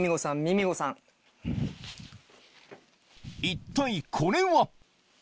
一体これは？